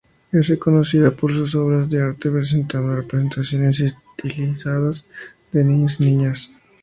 Es reconocida por sus obras de arte presentando representaciones estilizadas de niños y niñas.